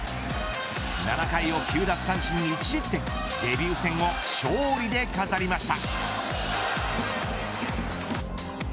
７回を９奪三振１失点デビュー戦を勝利で飾りました。